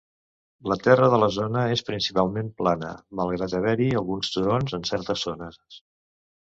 La terra de la zona és principalment plana, malgrat haver-hi alguns turons en certes zones.